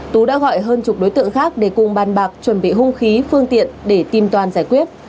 tú đã gọi hơn chục đối tượng khác để cùng bàn bạc chuẩn bị hung khí phương tiện để tìm toàn giải quyết